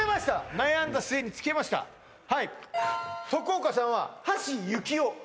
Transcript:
悩んだ末につけましたどういうこと？